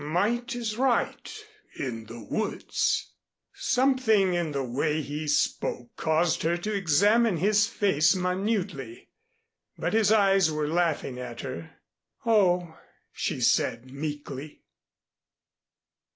"Might is right in the woods." Something in the way he spoke caused her to examine his face minutely, but his eyes were laughing at her. "Oh!" she said meekly.